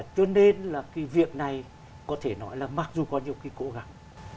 cho nên là cái việc này có thể nói là mặc dù có nhiều cái cố gắng